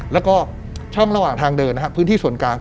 แล้วก็ช่องระหว่างทางเดินพื้นที่สุดกลาง